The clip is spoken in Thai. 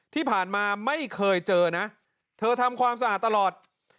ที่ผ่านมาไม่เคยเจอนะเธอทำความสะอาดตลอด